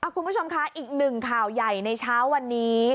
คุณผู้ชมค่ะอีกหนึ่งข่าวใหญ่ในเช้าวันนี้